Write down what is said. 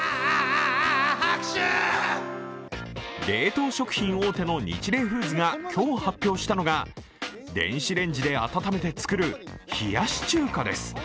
冷凍食品大手のニチレイフーズが今日発表したのが電子レンジで温めて作る冷やし中華です。